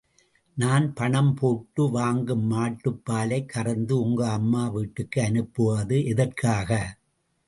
நான் பணம் போட்டு வாங்கும் மாட்டுப் பாலைக் கறந்து உங்க அம்மா வீட்டுக்கு அனுப்புவது எதற்காக?